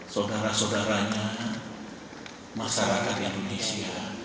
saudara saudaranya masyarakat indonesia